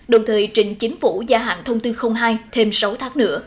đồng thời trình chính phủ gia hạn thông tư hai thêm sáu tháng nữa